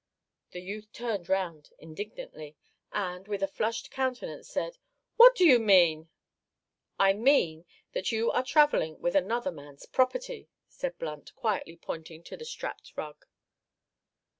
The youth turned round indignantly, and, with a flushed countenance, said, "What do you mean?" "I mean that you are travelling with another man's property," said Blunt, quietly pointing to the strapped rug.